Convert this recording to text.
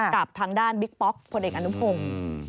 กับทางด้านบิ๊กป๊อกผลเอกอนุพงศ์